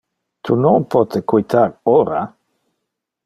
Tu non pote quitar ora.